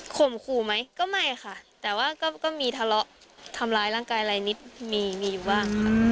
ครูไหมก็ไม่ค่ะแต่ว่าก็มีทะเลาะทำร้ายร่างกายอะไรนิดมีมีอยู่บ้างค่ะ